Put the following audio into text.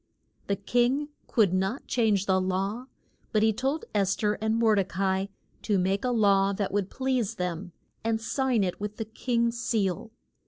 The king could not change the law, but he told Es ther and Mor de ca i to make a law that would please them and sign it with the king's seal.